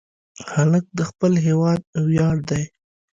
هلک د خپل هېواد ویاړ دی.